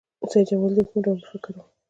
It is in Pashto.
سید جمال الدین کوم ډول مفکر و؟